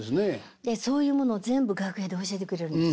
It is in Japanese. でそういうものを全部楽屋で教えてくれるんです。